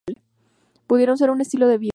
Pudiendo ser un estilo de vida.